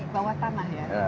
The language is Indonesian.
bawah tanah ya